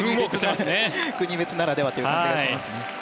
国別ならではという感じがします。